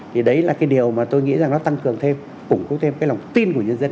thì đấy là cái điều mà tôi nghĩ rằng nó tăng cường thêm củng cố thêm cái lòng tin của nhân dân